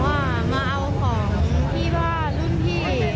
มาเอาของพี่บ้านรุ่นพี่แล้วแฟนเก่าหนูด้วย